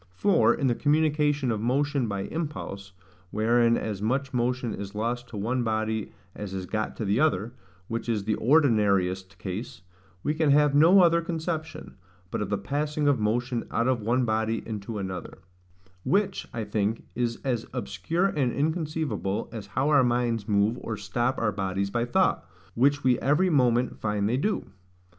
For, in the communication of motion by impulse, wherein as much motion is lost to one body as is got to the other, which is the ordinariest case, we can have no other conception, but of the passing of motion out of one body into another; which, I think, is as obscure and inconceivable as how our minds move or stop our bodies by thought, which we every moment find they do.